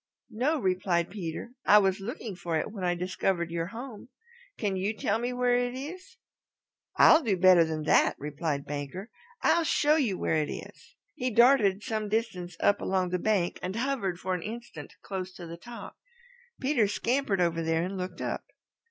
"No," replied Peter. "I was looking for it when I discovered your home. Can you tell me where it is?" "I'll do better than that;" replied Banker. "I'll show you where it is." He darted some distance up along the bank and hovered for an instant close to the top. Peter scampered over there and looked up.